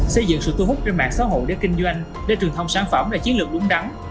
xây dựng sự thu hút trên mạng xã hội để kinh doanh để truyền thông sản phẩm là chiến lược đúng đắn